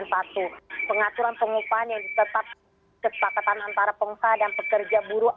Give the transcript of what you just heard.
pengaturan pengupahan yang tetap kesepakatan antara pengusaha dan pekerja buruh